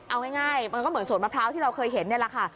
เอาง่ายมันก็เหมือนสวนมะพร้าวที่เราเคยเห็นนี่แหละค่ะ